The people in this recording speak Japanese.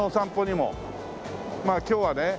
まあ今日はね